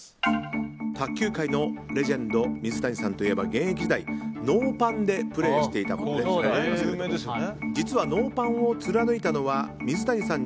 卓球界のレジェンド水谷さんといえば現役時代、ノーパンでプレーしていたことで有名ですが実はノーパンを貫いたのは水谷さん